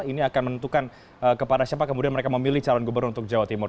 ini akan menentukan kepada siapa kemudian mereka memilih calon gubernur untuk jawa timur